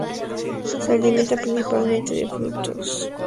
Se alimenta principalmente de frutos.